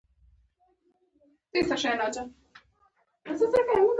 د افغانانو دسترخان ولې پراخ وي؟